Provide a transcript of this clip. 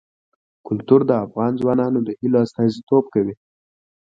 کلتور د افغان ځوانانو د هیلو استازیتوب کوي.